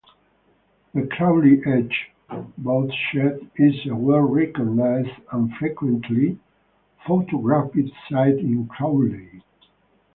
The Crawley Edge Boatshed is a well-recognised and frequently photographed site in Crawley.